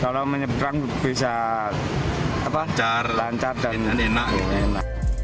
kalau menyeberang bisa lancar dan enak